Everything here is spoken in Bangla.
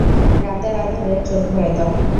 রাতের আঁধারে চোখ ভরে দাও।